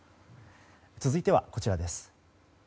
続いては、こちらです。